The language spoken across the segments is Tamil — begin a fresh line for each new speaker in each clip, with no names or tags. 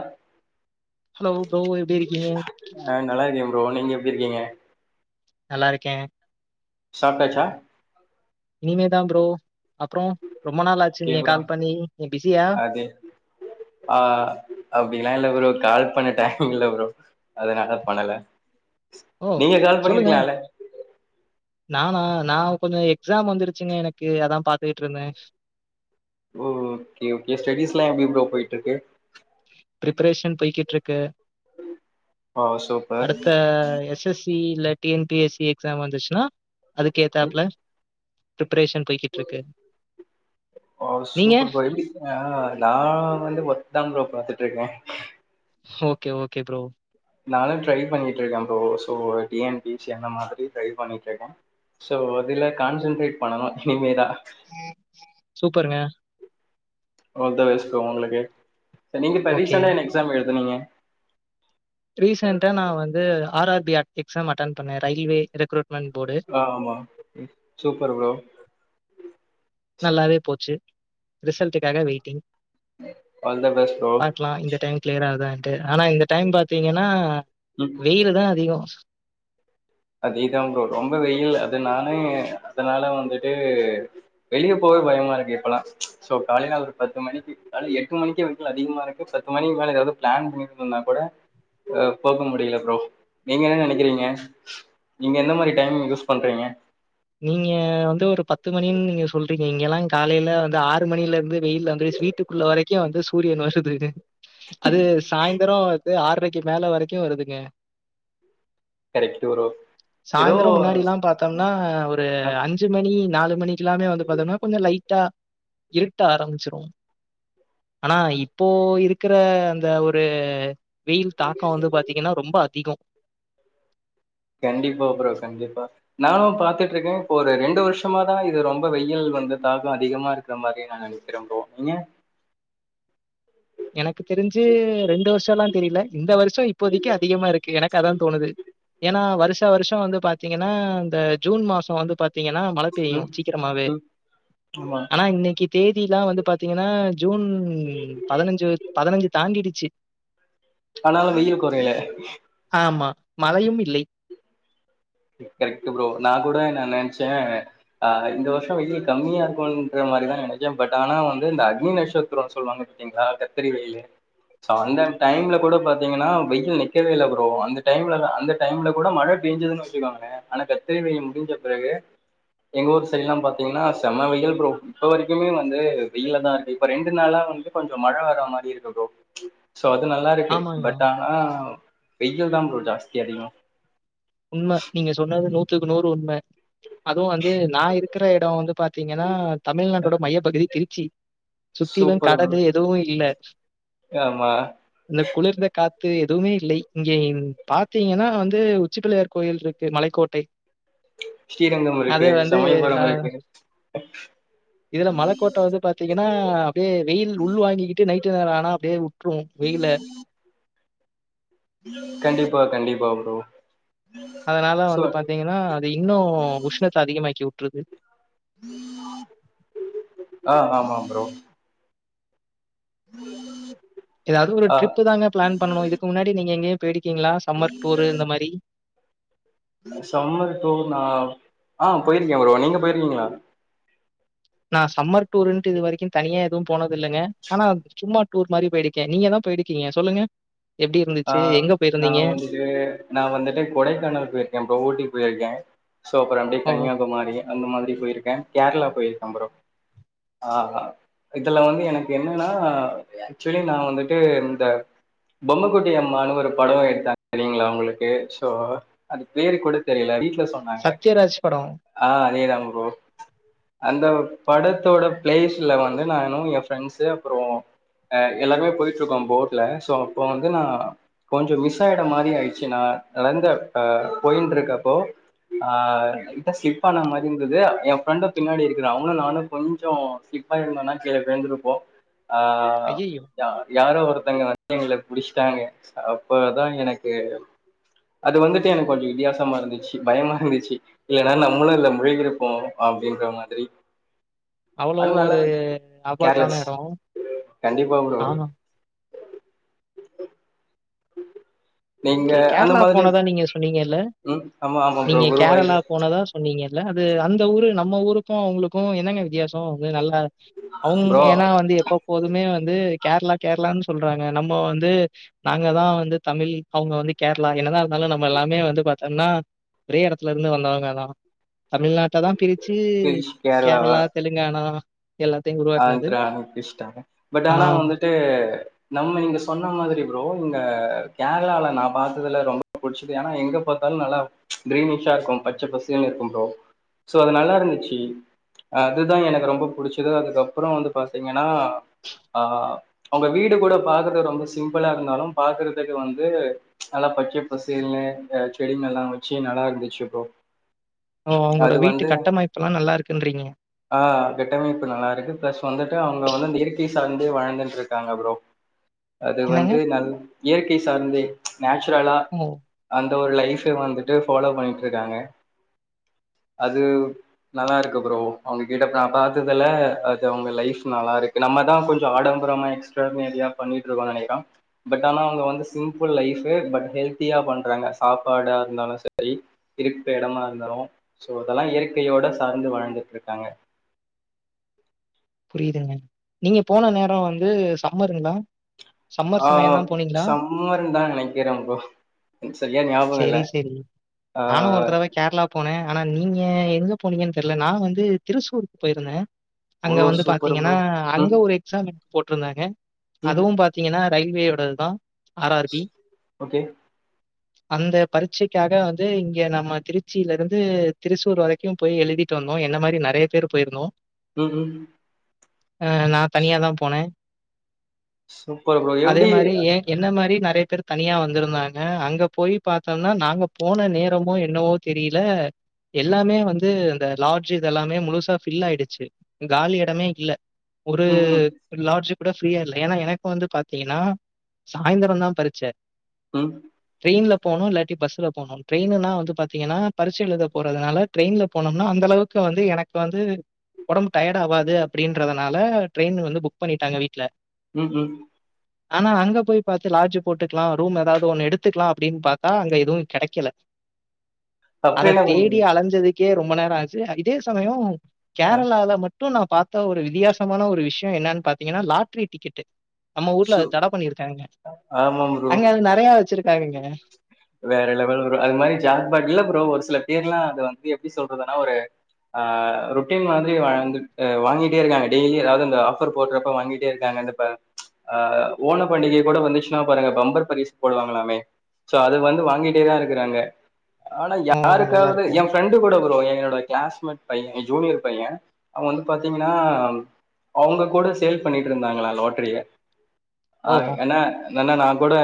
ஆ
ஹலோ ஃப்ரோ எப்டி இருக்கீங்க
ஃப்ரோ நீங்க எப்டி இருக்கீங்க
நல்லா இருக்கே
சாப்டாச்சா
இனிமே தா ப்ரோ அப்றோ
ஓகே ப்ரோ ஆ அப்டில்லா இல்ல ஃப்ரோ கால் பண்ண டைம் இல்ல ப்ரோ அதனால பண்ணல
ஓ!
நீங்க கால்
சொல்லுங்க.
பண்ணிருக்குலால
நானா நான் கொஞ்சம் எக்ஸாம் வந்துருச்சுங்க எனக்கு அதான் பாத்துக்கிட்டு இருந்தேன்
ஓ ஓகே ஓகே ஸ்டடிஸ் எல்லாம் எப்படி ப்ரோ போயிட்டு இருக்கு
பிரிப்ரேஷன் போய்கிட்டு இருக்கு
ஆ சூப்பர்
அடுத்த எஸ் எஸ் பி இல்ல டிஎன் பிஎஸ்சி எக்ஸாம் வந்துச்சுன்னா அதுக் ஏத்தாப்ல
[unintelligible]
நீங்க?
சூப்பர் ப்ரோ எப்புடி நான் வந்து ஒர்க் தான் ப்ரோ பாத்துட்டு இருக்கேன்
ஓகே ஓகே ப்ரோ
நானும் ட்ரை பண்ணிட்டு இருக்கேன் bro so T N P C அந்த மாரி பண்ணிட்டு இருக்கேன் சோ அதுல கான்சன்ட்ரேட் பண்ணணும் இனிமே தான்
சூப்பருங்க
ஆல் தி பெஸ்ட் ப்ரோ உங்களுக்கு சோ நீங்க இப்ப
ஓகே.
ரீசண்டா என்னா எக்ஸாம் எழுதுனீங்க
ரீசன்டா நா வந்து R R B exam attend பண்ண ரயில்வே ரெக்ரூட்
ஆ ஆமா ம் சூப்பரு ப்ரோ
நல்லாவே போச்சு ரிசல்ட்டுக்காக waiting
all the best bro
பாக்கலா இந்த டைம் கிளியர் ஆகுதானு ஆனா இந்த டைம் பாத்தீங்கன்னா
ம்
வெயிலு தா அதிகோ
அதேதான் ப்ரோ ரொம்ப வெயில் அது நானு அதனால வந்துட்டு வெளியே போவவே பயமாருக்கு இப்பெல்லா சோ காலேல ஒரு பத்து மணிக்கி காலேல எட்டு மணிக்கே வெயில் அதிகமாருக்கு பத்து மணிக்கு மேல ஏதாவது பிளான் பண்ணிட்டுன்னா கூட அ போக முடியல ப்ரோ நீங்க என்ன நெனைக்கிறீங்க நீங்க எந்த மாரி டைம் யூஸ் பண்றீங்க
நீங்க வந்து ஒரு பத்து மணின்னு நீங்க சொல்றீங்க இங்கெல்லா காலேல வந்து ஆறு மணில இருந்து வெயில்ல வந்து ஸ் வீட்டுக்குள்ள வரைக்கு வந்து சூரியன் வருது து அது சாய்ந்தரோ இது ஆர்றைக் க்கி மேல வரைக்கியு வருதுங்க
கரெக்ட் ப்ரோ ஏதோ
சாய்ந்தரோ முன்னாடி எல்லா பாத்தோம்னா ஒரு
அ
அஞ்சு மணி நாலு மணிக்கெல்லாமே வந்து பாத்தீங்ன்னா கொஞ்சோ லைட்டா இருட்ட ஆரம்பிச்சிரும் ஆனா இப்போ இருக்கற அந்த ஒரு வெயில் தாக்கோ வந்து பாத்தீங்ன்னா ரொம்ப அதிகோ
கண்டிப்பா ப்ரோ கண்டிப்பா நானு பாத்துட்டுருக்கேன் இப்போ ஒரு ரெண்டு வருஷம தா இது ரொம்ப வெயில் வந்து தாக்கோ அதிகமா இருக்கற மாரிய நா நெனைக்கிறே ப்ரோ நீங்க
எனக்கு தெரிஞ்சு ரெண்டு வருஷோல்லா தெரியல இந்த வருஷோ இப்போதைக்கி அதிகமா இருக்கு எனக்கு அதா தோணுது ஏன்னா வருஷா வருஷோ வந்து பாத்தீங்கன்னா இந்த ஜூன் மாசோ வந்து பாத் தீங்கன்னா மழை பெய்யு
ம்
சீக்கிரமாவே
ம் ஆமா
ஆனா இன்னைக்கி தேதியிலா வந்து பாத்தீங்கன்னா ஜூன் பதினஞ்சு தாண்டிருச்சு
ஆனாலும் வெயில் கொறயல
ஆமா. மழையும் இல்லை.
கரெக்ட் ப்ரோ நா கூட நா நெனச்சே அ இந்த வருஷோ வெயில் கம்மியா இருக்கும்ன்ற மாரிதா நெனச்சே பட் ஆனா வந்து இந்த அக்னி நட்சத்திரோ சொல்லுவாங்க பாத்தீங்களா கத்திரி வெயில்லுன்னு சோ அந்த டைம்ல கூட பாத்தீங்கன்னா வெயில் நிக்கவே இல்ல ப்ரோ அந்த டைம்ல அந்த டைம்ல கூட மழ பெஞ்சதுன்னு [unintelligible] ஆனா கத்திரி வெயில் முடிஞ்ச பிறகு எங்க ஊர் சைல்லா பாத்தீங்கன்னா செம வெயில் ப்ரோ இப்ப வரைக்குமே வந்து வெயில் தா இப்ப ரெண்டு நாளா வந்து கொஞ்சோ மழை வர மாரி இருக்கு ப்ரோ சோ அது நல்லா இருக்கு
ஆமாங்க.
பட் ஆனா வெயில் தா ப்ரோ ஜாஸ்தி அதிகோ
உண்ம நீங்க சொன்னது நூத்துக்கு நூறு உண்ம அதுவு வந்து நா இரு இருக்கற இடே வந்து பாத் தீங்கன்னா தமிழ்நாட்டோட மையப்பகுதி திருச்சி சுத்திலும்
சூப்பர் ப்ரோ
கடலு எதுவும் இல்ல
ஆமா
து எதுமே இல்லை இங்கே பாத்தீங்கன்னா வந்து உச்சிப்பிள்ளையார் கோயில் இருக்கு மலைக்கோட்டை
ஸ்ரீரங்கம்
அது
இருக்கு
வந்து
சமயபுரம்
அ
இருக்கு
இதுல மலக்கோட்ட வந்து பாத்தீங்கன்னா அப்டியே வெயில் உள் வாங்கிக்கிட்டு நைட் டு நேரொ ஆனா அப்டியே உ
கண்டிப்பா கண்டிப்பா ப்ரோ
அதனால
சோ
வந்து பாத்தீங்கன்னா அது இன்னு உஷ்ணத்த அதிகமாக்கி உட்ருது
ஆமா ஆ ப்ரோ
ஏதாது ஒரு
ஆ
ட்ரிப்பு தாங்க ப்ளான் பண்ணணு இதுக்கு முன்னாடி நீங்க எங்கயு கீங்களா சம்மர் டூரு இந்த மாரி
சம்மர் டூர் நா ஆ போயிருக்கே ப்ரோ நீங்க போயிருக்கீங்களா
நா சம்மர் டூருன்ட்டு இது வரைக்கு தனியா எதுவும் போனதில்லங்க ஆனா சும்மா டூர் மாரி போயிருக்கே நீங்க தா போயிருக்கீங்க சொல்லுங்க எப்படி
ஆ
இருந்துச்சு? எங்க
நா
போயிருந்தீங்க?
வந்துட்டு நா வந்துட்டு கொடைக்கானல் போயிருக்கே ப்ரோ ஊட்டி போயிருக்கே சோ அப்பறோ அப்டியே
ஓ!
கன்யாகுமாரி அந்த மாரி போயிருக்க கேர்ளா போயிருக்க ப்ரோ ஆ இதுல வந்து எனக்கு என்னன்னா ஆக்சுவலி நா வந்துட்டு இந்த பொம்ம குட்டி அம்மானு ஒரு படொ எடுத்தாங்க தெரியுங்ளா உங்களுக்கு சோ அது பேரு கூட தெரியல வீ ட்ல சொன்னாங்க
சத்யராஜ் படம்.
ஆ அதேதா ப்ரோ அந்த படத்தோட ப்ளேஸ்ல வந்து நானு ஏ ப்ரெண்ட்ஸு அப்பறோ அ எல்லாருமே போய்ட்ருக்கோ போட்ல ஸோ அப்ப வந் து நா கொஞ்சொ மிஸ் ஆயிட மாரி ஆயிடுச்சி நா லந்து அ போய்ண்டு இருக்கப்போ ஆ லைட்டா ஸ்லிப் ஆன மாரி இருந்துது ஏ ஃப்ரெண்ட பின்னாடி இருக்குறா அவனு நானு கொஞ்சொ ஸ்லிப்பாயிருந்தோனா கீழ விழுந்துருப்போ ஆ
ஐயய்யோ!
ய யாரோ ஒருத்தங்க வ ந்து எங்கள புடிஷ்ட்டாங்க அப்பதா எனக்கு அது வந்துட்டு எனக்கு கொஞ்சொ வித்தியாசமா இருந்துச்சி பயமா இருந்துச்சி இல்லன்னா நம்மளு இத்ல முழுகிருப்போ அப்டின்ற மாதிரி
அவ்ளோ
ஆனா நல்லா
ஒரு ஆபத்தான
கேர்லெஸ்
எடோ
கண்டிப்பா ப்ரோ
ஆ
நீங்க
ஓகே
அந்த
கேர்ளா
மாதிரி
போனதா நீங்க சொன்னீங்கல்ல
ம் ஆமா ஆமா ப்ரோ
நீங்க கேரளா
குருவாயூர்
போனதா சொன்னீங்க ல அது அந்த ஊரு நம்ம ஊருக்கு அவுங்களுக்கு என்னங்க வித்தியாசொ அது நல்லா அவுங்
ப்ரோ
ஏனா வந்து எப்ப போதுமே வ ந்து கேர்ளா கேர்ளான் சொல்றாங்க நம்ம வந்து நாங்க தா வந்து தமிழ் அவுங்க வந்து கேர்ளா என்னதா இருந்தாலு நம்ம எல்லாமே வந்து பாத்தம்னா ஒரே எடத்துலருந்து வந்தவங்கதா தமிழ்நாட்டதா பிரிச்சி கேரளா தெலுங்கானா எல்லாத்தையும் உருவாக்குனது.
ஆந்த்ரா [unintelligible] பட்
ஆ
ஆனா வந்துட்டு நம்ம நீங்க சொன்னா மாதிரி ப்ரோ இங்க கேரளால நா பாத்ததுல ரொம்ப புடிச்சது ஏனா எங்க பாத்தாலு நல்லா க்ரீனிஷா இருக்கு பச்ச பசேல்னு இருக்கும் ப்ரோ சோ அது நல்லா இருந்துச்சி அதுதா எனக்கு ரொம்ப புடிச்சது அது கப்றோ வந்து பாத்தீங்கன்னா ஆ அவ்ங்க வீடு கூட பாக்குறதுக் ரொம்ப சிம்ப்புளா இருந்தாலு பாக்குறதுக்கு வந்து நல்லா பச்ச பசேல்னு அ செடிகள்லா வெச்சி நல்லாருந்துச்சி ப்ரோ
ஓ அவுங்களோட
அது
வீட்டு
வந்து
கட்டமைப்புல்லா‌ நல்லாருக்குன்றீங்க
ப்ளஸ் வந்துட்டு அவுங்க வந்து அந்த இயற்கை சார்ந்தே வாழ்ந்துண்ட்ருக்காங்க ப்ரோ அது
என்னங்க?
வந்து நல் இயற்கை சார்ந்தே நேச்சுரலா
ஓ!
அந் ஒரு லைஃபே வந்துட்டு ஃபாலோ பண்ணிட்ருக்காங்க அது நல்லா இருக்கு ப்ரோ அவங்க கிட்ட நா பாத்ததுல இது அவங்க லைஃப் நல்லாருக்கு நம்பதா கொஞ்ஜோ ஆடம்பரமா எக்ஸ்ட்ராமேரியா பண்ணிட்ருக்கோனு நெனைக்றே பட் ஆனா அவங்க வந்து சிம்பிள் லைஃபு பட் ஹெல்த்தியா பண்றாங்க சாப்பாடா இருந்தாலு சரி இருகற எடமா இருந்தாலு சோ அதெல்லா இயற்கையோட சார்ந்து வாழ்ந்துட்ருக்காங்க
புரியுதுங்க நீங்க போன நேரோ வந்து சம்மருங்ளா
ஆஹ் சம்மர்ன்தா நெனைக்கிறே ப்ரோ எனக்கு சரியா ஞாபகோ இல்ல
சரி, சரி. நானும் ஒரு
ஆஹ்
தடவ கேரளா போனேன். ஆனா நீங்க எங்க போனீங்கன்னு தெர்ல நா வந்து திருசூருக்கு பொயிருந்தே அங்க
ஓ
வந்து
சூப்பர் ப்ரோ
பாத்தீங்கன்னா அங்க
ம்
ஒரு எக்ஸாம் போட்ருந்தாங்க
ம்
அதுவு பாத்தீங்ன்னா ரயில்வே ஒடது தா ஆர் ஆர் பி
ஓகே
அந்த பரீட்சைக்காக வந்து இங்க நம்ப திருச்சியில இருந்து திருசூர் வரைக்கு போய் எழுதிட்டு வந்தோ என்ன மாரி நெறைய பேர் போயிருந்தோ
ம் ம்
ஆ நா தனியா தா போனே
சூப்பர் ப்ரோ
அதே
எப்படி
மாரி ஏ என்ன மாரி நெ நெறைய பேர் தனியா வந்துருந்தாங்க அங்க போய் பாத்தோனா நாங்க போன நேரமோ என்னவோ தெரில எல்லாமே வந்து அந்த லாட்ஜ் இது எல்லாமே முழுசா ஃபில் ஆயிடுச்சு காலி எடமே இல்ல ஒரு
ம் ம்
லார்ஜ் கூட ஃப்ரீயா இல்ல ஏனா எனக்கு வந்து பாத்தீங்கன்னா சாய்ந்தரோ தா பரிச்ச
ம்
ட்ரெயின்ல போனு இல்லாட்டி பஸ்ல போனு ட்ரெயினுன்னா வந்து பாத்தீங்கன்னா பரிட்ச எழுத போறதுனால ட்ரெயின்ல போனம்னா அந்தளவுக்கு வந்து எனக்கு வந்து ஒடம்பு டயர்ட் ஆவாது அப்டின்றதுனால ட்ரெயின் வந்து புக் பண்ணிட்டாங்க வீட்ல
ம் ம்
ஆனா அங்க போய் பாத்து லாட்ஜ் போட்டுக்கலா ரூம் ஏதாது ஒன்னு எடுத்துக்லா அப்டின்னு பாத்தா அங்க எதுவு கெடைக்கல
அப்புறம்
அத
என்ன
தேடி
பண்றீங்க
அலஞ்சது க்கே ரொம்ப நேரோ ஆச்சு இதே சமயோ
ஆ
கேரளால மட் டு நா பாத்த ஒரு விதியாசமான ஒரு விஷயோ என்னன்னு பாத்தீங்கன்னா லாட்ரி டிக்கெட்டு நம்ப ஊர்ல
சு
அத தட பண்ணிருக்காங்க
ஆமா ப்ரோ
அங்க அது நெறையா வச்சுரு [unintelligible]
வேற லெவல் ப்ரோ அது மாரி ஜாக்பாட்ல ப்ரோ ஒரு சில பேர்லா அது வந்து எப்டி சொல்றதுன்னா ஒரு ஆஹ் ரொட்டீன் மாரி வாங்கிட்டு வாங்கிட்டே இருக்காங்க டெய்லி ஏதாது ஆஃபர் போட்றப்ப வாங்கிட்டே இருக்காங்க இந்த இப்ப ம்ச் ஆஹ் ஓனம் பண்டிகை கூட வந்துச்சுன்னா பாருங்க பம்பர் பரிசு போடுவாங்களாமே சோ அது வந்து வாங்கிட்டேதா இருக்குறாங்க ஆனா
ஓ!
யாருக்காவது ஏ
நல்லாருக்கும்.
ஃப்ரெண்டு கூட ப்ரோ என்னோட க்ளாஸ் பையே ஜூனியர் பையே அவெ வந்து பாத்தீங்கன்னா அவுங்க கூட சேல் பண்ணிட்டு இருந்தாங்கலா லாட்ரிய
ஓ!
ஆஹ்
ஓ!
என்ன என்னனா நா குட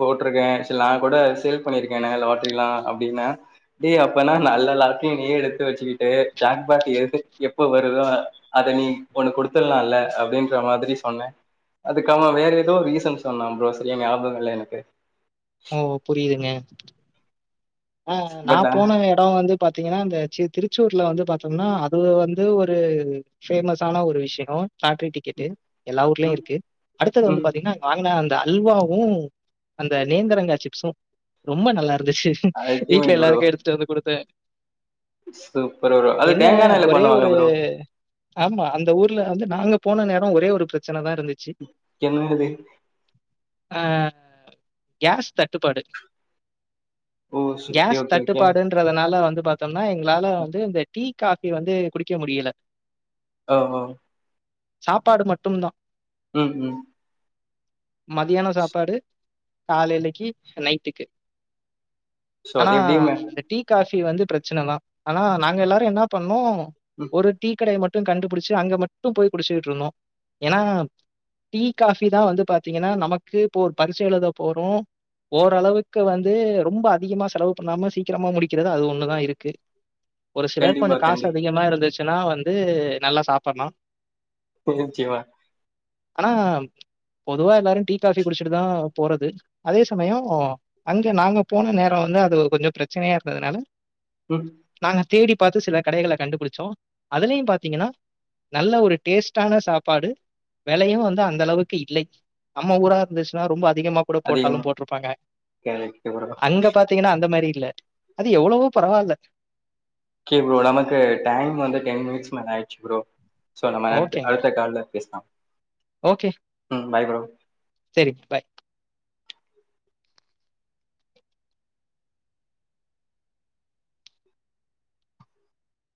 போட்ருக்கே நா குட சேல் பண்ணிருக்கேனே லாட்ரிலா அப்டின்னா டேய் அப்பனா நல்ல லாட்ரிய நீயே எடுத்து வச்சுகிட்டு ஜாக்பாட் எது எப்ப வருதோ அத நீ ஒனக்குடுத்தர்லால அப்டின்ற மாரி சொன்னே அதுக்கு அவே வேற எதோ ரீசன் சொன்னா ப்ரோ சரியா ஞாபகோ இல்ல எனக்கு
ஓ புரிதுங்க ஆஹ் நா
பட்
போன எடோ வந்து பாத்தீங்கன்னா இந்த சீ திருச்சூர்ல வந்து பாத்தோம்னா அது வந்து ஒரு பேஃமஸ் ஆன ஒரு விஷ்யோ லாட்ரி டிக்கெட்டு எல்லா ஊர்லயு
ம்
இருக்கு அடுத்தது வந்து
ம்
பாத்தீங்கன்னா வாங்குன அந்த அல்வாவு அந்த நேந்தரங்கா சிப்ஸு ரொம்ப நல்லா இருந்துச்சு வீட்ல
அல்டிமேட் ப்ரோ
எல்லாருக்கூ எடுத்துட்டு வந்து குடுத்தே
சூப்பர் ப்ரோ அது
என்ன
தேங்கா எண்ணெய்ல
ஒரே
பண்ணுவாங்க
ஒரு
ப்ரோ
ஆமா அந்த ஊர்ல வந்து நாங்க போன நேரோ ஒரே ஒரு பிரச்
இ என்னது
ஆஹ் கேஸ் தட்டுப்பாடு
ஓ ஓகே
கேஸ்
ஓகே ஓகே
தட்டுப்பாடுன்றதுனால வந்து பாத்தோன் னா எங்களால வந்து இந்த டீ காஃபி வந்து குடிக்க முடியல
ஓஹோ
சாப்பாடு மட்டும் தா
உம் உம்
மதியானோ சாப்பாடு காலைலைக்கி நைட்டுக்கு
சோ
ஆனா
அது எப்டியுமே
இந்த டீ காஃப் ஃபி வந்து பிரச்சன தா ஆனா நாங்க எல்லாரு என்ன பண்ணோ
ம்
ஒரு டீ கடை மட் டொ கண்டுபிடிச்சு அங்க மட்டு போய் குடுச்சுட்டு இருந்தோ ஏனா டீ காஃபி தா வந்து பாத்தீங்கன்னா நமக்கு இப்போ ஒரு பரிட்ச எழுத போறோ ஓரளவுக்கு வந்து ரொம்ப அ அதிகமா செலவு பண்ணாம சீக்கிரமா முடிக்கிறது அது ஒண்ணுதா இருக்கு ஒரு சிலர் கொஞ்சொ
கண்டிப்பா
காசு
கண்டிப்பா
அதிகமா இருந்துச் எனா வந்து நல்லா சாப்பிட்ணு
என்சுவா
ஆனா பொதுவா எல்லாரும் டீ காஃபி குடிச்சிட்டு தா போறது அதே சமயொ அங்க நாங்க போன நே நா வந்து அது கொஞ்சொ பிரச்சனையா இருந்ததுனால
ஹ்ம்
நாங்க தேடி பாத்து சில கடைகளலா கண்டுபிடிச்சோ அதுலயு பாத்தீங்கன்னா நல்ல ஒரு டேஸ்ட்டான சாப்பாடு வெலையு வந்து அந்த அளவுக்கு இல்லை நம்ம ஊரா இருந்துச்சுன்னா ரொம்ப அ அதிகமா கூட போட்டாலு
அதிகமா
போட்ருப்பாங்க
கரெக்ட் ப்ரோ
அங்க அந்த மாரி இல்ல அது எவ்வளவோ பரவாயில்ல
ஓகே ப்ரோ நமக்கு டைம் வந்து டென் மினிட்ஸ் மேல ஆயிச்சு ப்ரோ சோ நம்ம அடுத்து
ஓகேங்க.
அடுத்த கால்ல பேச்லா
ஓகே.
ம் பாய் ஃப்ரோ
சரி. பை.